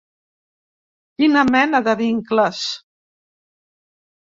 Quina mena de vincles?